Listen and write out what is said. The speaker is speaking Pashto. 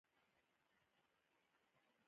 آیا د زعفرانو پیاز را ایستل اړین دي؟